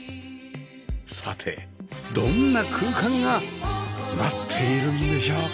さてどんな空間が待っているんでしょうか？